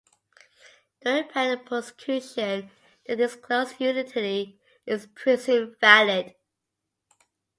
During patent prosecution, the disclosed utility is presumed valid.